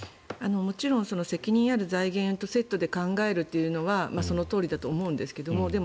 もちろん責任ある財源とセットで考えるというのはそのとおりだと思うんですがでも